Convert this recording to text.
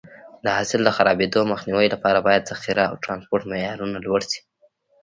د حاصل د خرابېدو مخنیوي لپاره باید ذخیره او ټرانسپورټ معیارونه لوړ شي.